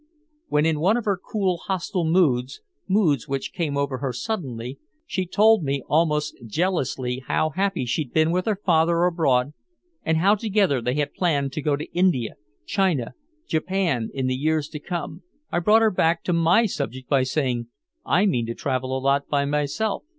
When in one of her cool hostile moods moods which came over her suddenly she told me almost jealously how happy she'd been with her father abroad and how together they had planned to go to India, China, Japan in the years to come, I brought her back to my subject by saying: "I mean to travel a lot myself."